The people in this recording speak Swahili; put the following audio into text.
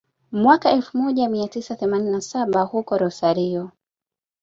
mwaka elfu moja mia tisa themanini na saba huko Rosario